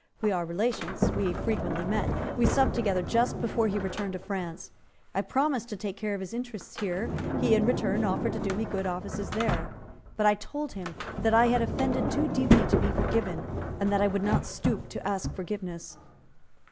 We are relations; we frequently met; we supped together just before he returned to France; I promised to take care of his interests here; he in return offered to do me good offices there; but I told him that I had offended too deeply to be forgiven, and that I would not stoop to ask forgiveness."